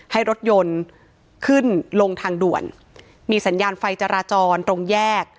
ให้รถยนต์ขึ้นลงทางด่วนมีสัญญาณไฟจราจรตรงแยก